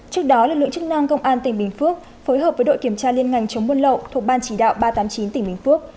trước đó lực lượng chức năng công an tỉnh bình phước phối hợp với đội kiểm tra liên ngành chống buôn lậu thuộc ban chỉ đạo ba trăm tám mươi chín tỉnh bình phước